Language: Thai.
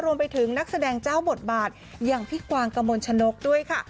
รวมไปถึงนักแสดงเจ้าบทบาทอย่างพี่กวางกมลชนกด้วยค่ะ